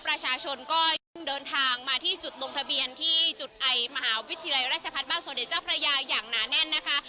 ประชาชนก็ยิ่งเดินทางมาที่จุดลงทะเบียนที่จุดไอมหาวิทยาลัยราชพัฒน์บ้านสมเด็จเจ้าพระยาอย่างหนาแน่นนะคะ